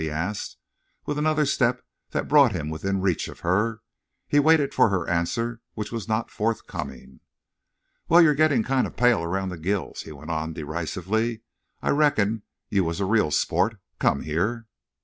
he asked, with another step that brought him within reach of her. He waited for her answer, which was not forthcoming. "Wal, you're gettin' kinda pale around the gills," he went on, derisively. "I reckoned you was a real sport.... Come here."